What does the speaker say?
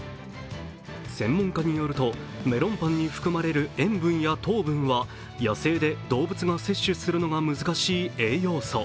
専門家によるとメロンパンに含まれる塩分や糖分は野生で動物が摂取するのが難しい栄養素。